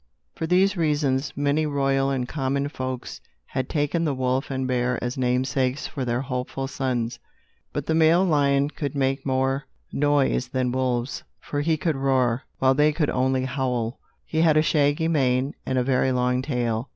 For these reasons, many royal and common folks had taken the wolf and bear as namesakes for their hopeful sons. But the male lion could make more noise than wolves, for he could roar, while they could only howl. He had a shaggy mane and a very long tail.